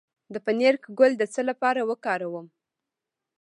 د پنیرک ګل د څه لپاره وکاروم؟